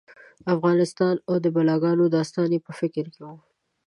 افغانستان او د بلاګانو داستان یې په فکر کې و.